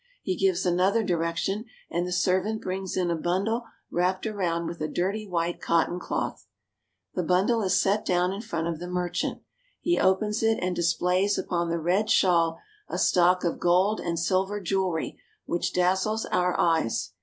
He gives another direction, and the servant brings in a bundle wrapped round with a dirty white cotton cloth. The bundle is set down in front of the merchant. He opens it and displays upon the red shawl a stock of gold THE STORES AND TRADES OF INDIA 2/5 and silver jewelry which dazzles our eyes.